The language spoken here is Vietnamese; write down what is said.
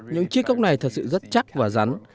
những chiếc cốc này thật sự rất chắc và rắn